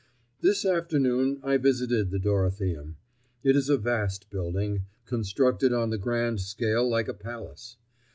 This afternoon I visited the Dorotheum. It is a vast building, constructed on the grand scale like a palace.